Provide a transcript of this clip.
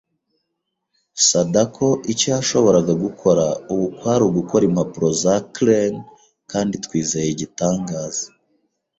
Sadako icyo yashoboraga gukora ubu kwari ugukora impapuro za crane kandi twizeye igitangaza.